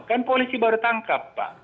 kan polisi baru tangkap pak